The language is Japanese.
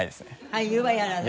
俳優はやらない？